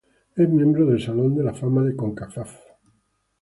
Es miembro del Salón de la Fama de la Concacaf.